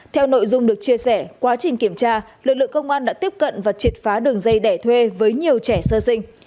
theo nội dung được chia sẻ quá trình kiểm tra lực lượng công an đã tiếp cận và triệt phá đường dây đẻ thuê với nhiều trẻ sơ sinh